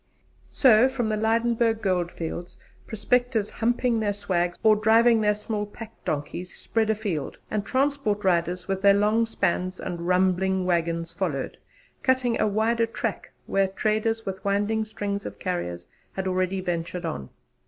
So from the Lydenburg Goldfields prospectors 'humping their swags' or driving their small pack donkeys spread afield, and transport riders with their long spans and rumbling waggons followed, cutting a wider track where traders with winding strings of carriers had already ventured on.